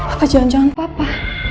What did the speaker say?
apa jangan jangan papa